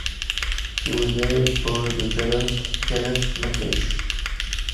She was named for Lieutenant Kenneth MacLeish.